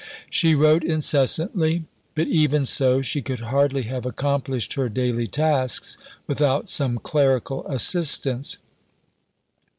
She wrote incessantly, but even so she could hardly have accomplished her daily tasks without some clerical assistance.